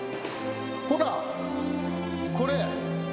ほらこれ。